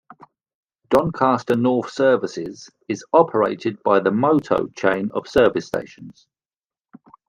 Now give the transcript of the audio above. Doncaster North services is operated by the Moto chain of service stations.